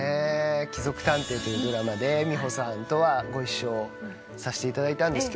『貴族探偵』というドラマで美穂さんとはご一緒させていただいたんですが。